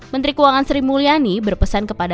menteri keuangan sri mulyani berpesan kepada